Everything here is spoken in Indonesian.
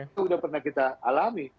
itu sudah pernah kita alami